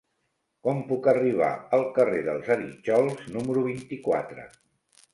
Com puc arribar al carrer dels Arítjols número vint-i-quatre?